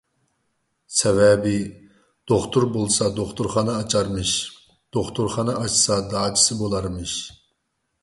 سەۋەبى، دوختۇر بولسا دوختۇرخانا ئاچارمىش، دوختۇرخانا ئاچسا داچىسى بولارمىش.